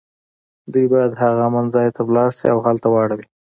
دوی باید هغه امن ځای ته ولاړ شي او هلته واړوي